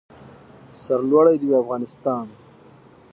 سر لوړی د وي افغانستان.